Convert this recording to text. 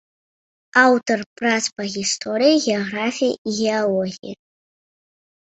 Аўтар прац па гісторыі, геаграфіі, геалогіі.